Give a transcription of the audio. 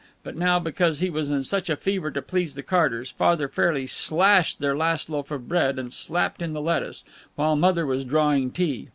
But now, because he was in such a fever to please the Carters, Father fairly slashed their last loaf of bread, and slapped in the lettuce, while Mother was drawing tea.